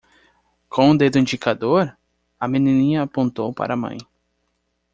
Com o dedo indicador?, a menininha apontou para a mãe.